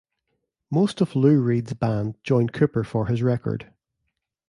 Most of Lou Reed's band joined Cooper for this record.